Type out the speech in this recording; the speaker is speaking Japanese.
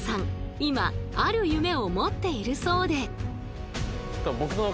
今ある夢を持っているそうで。